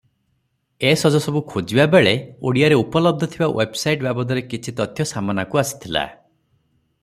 ଏ ସଜସବୁ ଖୋଜିବା ବେଳେ ଓଡ଼ିଆରେ ଉପଲବ୍ଧ ଥିବା ୱେବସାଇଟ ବାବଦରେ କିଛି ତଥ୍ୟ ସାମନାକୁ ଆସିଥିଲା ।